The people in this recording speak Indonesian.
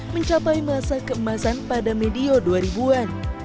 mencapai masa keemasan pada medio dua ribu an